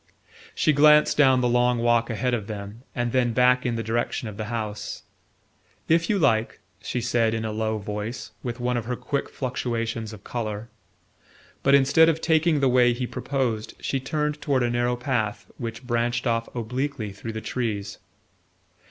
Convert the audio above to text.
She glanced down the long walk ahead of them and then back in the direction of the house. "If you like," she said in a low voice, with one of her quick fluctuations of colour; but instead of taking the way he proposed she turned toward a narrow path which branched off obliquely through the trees.